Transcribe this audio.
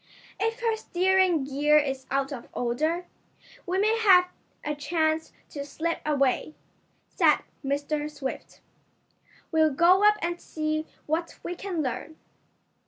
"If her steering gear is out of order, we may have a chance to slip away," said Mr. Swift "We'll go up and see what we can learn."